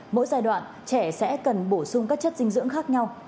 mỗi giai đoạn trẻ sẽ cần bổ sung các chất dinh dưỡng khác nhau